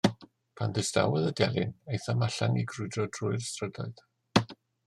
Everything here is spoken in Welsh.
Pan ddistawodd y delyn, aethom allan i grwydro drwy'r ystrydoedd.